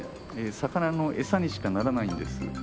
魚の餌にしかならないんです。